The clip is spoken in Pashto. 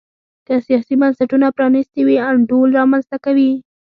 که سیاسي بنسټونه پرانیستي وي انډول رامنځته کوي.